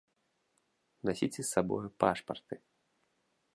Насіце з сабою пашпарты!